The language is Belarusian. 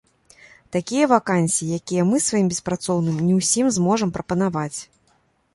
Такія вакансіі, якія мы сваім беспрацоўным не ўсім зможам прапанаваць.